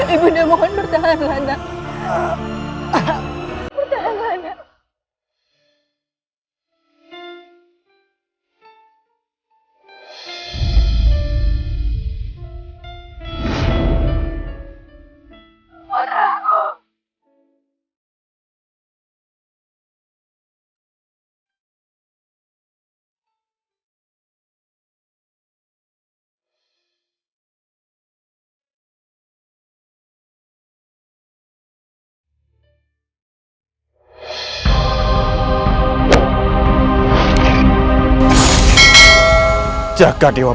ibu nda mohon bertahanlah nda